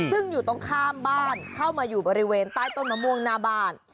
ซึ่งอยู่ตรงข้ามบ้านเข้ามาอยู่บริเวณใต้ต้นมะม่วงหน้าบ้าน